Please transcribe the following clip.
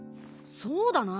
そうだな。